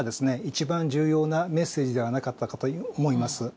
一番重要なメッセージではなかったかと思います。